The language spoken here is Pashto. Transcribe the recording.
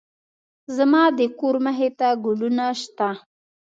زما د کور مخې ته ګلونه شته